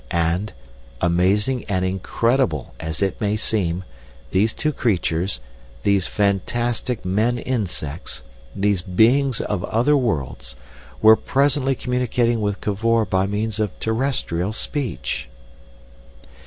And, amazing and incredible as it may seem, these two creatures, these fantastic men insects, these beings of other world, were presently communicating with Cavor by means of terrestrial speech.